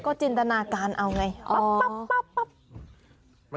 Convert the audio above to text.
จินตนาการเอาไงปั๊บ